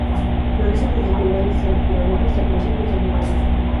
Florece desde finales de la primavera hasta principios de verano.